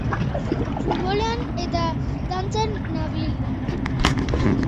Diote, patrimonio eta ondarea jokoan sartzen direnean zailtasunak dituzte euren lana egiteko.